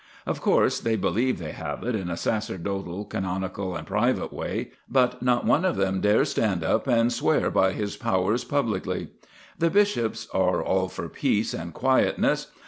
Of course, they believe they have it in a sacerdotal, canonical, and private way; but not one of them dare stand up and swear by his powers publicly. The bishops are all for peace and quietness.